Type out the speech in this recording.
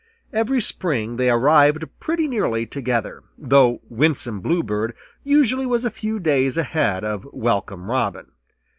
Every spring they arrived pretty nearly together, though Winsome Bluebird usually was a few days ahead of Welcome Robin.